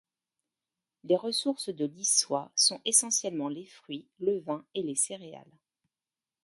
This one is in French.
Les ressources de Lissois sont essentiellement les fruits, le vin et les céréales.